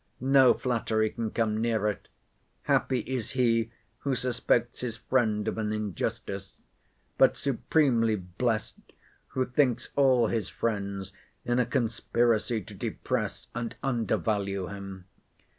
No flattery can come near it. Happy is he who suspects his friend of an injustice; but supremely blest, who thinks all his friends in a conspiracy to depress and undervalue him.